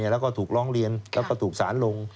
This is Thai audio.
แล้วก็ถูกร้องเรียนแล้วก็ถูกสารลง